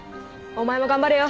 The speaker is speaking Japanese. お前も頑張れよ。